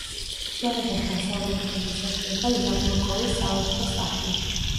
შენობას დასავლეთიდან ესაზღვრება იაბლოკოვის სავაჭრო სახლი.